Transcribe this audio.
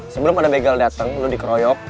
sebelum ada begel dateng lo dikeroyok